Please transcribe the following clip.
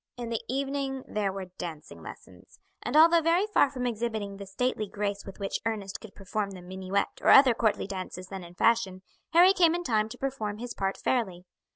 In the evening there were dancing lessons, and although very far from exhibiting the stately grace with which Ernest could perform the minuet or other courtly dances then in fashion, Harry came in time to perform his part fairly.